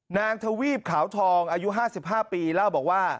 นางทวีบขาวทองอายุ๕๕ปีแล้วบอกว่า